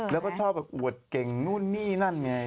แล้วก็ชอบแบบอวดเก่งนู่นนี่นั่นไง